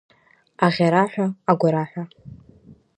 Аӷьараҳәа, агәараҳәа.